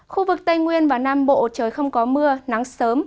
khu vực tây nguyên và nam bộ trời không có mưa nắng sớm